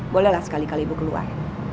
bolehlah sekali kali ibu keluar